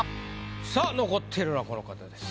さあ残っているのはこの方です。